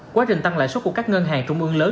quá trình tăng lãi suất của các ngân hàng trung ương lớn